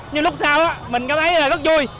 nhưng lúc sau mình cảm thấy là rất vui